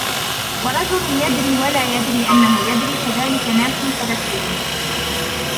وَرَجُلٌ يَدْرِي وَلَا يَدْرِي أَنَّهُ يَدْرِي فَذَلِكَ نَاسٍ فَذَكِّرُوهُ